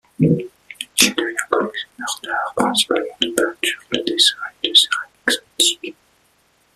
Il devient collectionneur d'art; principalement de peintures, de dessins et de céramique antique.